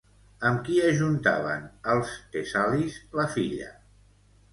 Amb qui ajuntaven, els tessalis, la filla?